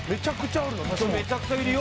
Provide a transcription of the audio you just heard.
確かに・めちゃくちゃいるよ